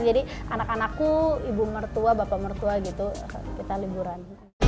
jadi anak anakku ibu mertua bapak mertua gitu kita liburan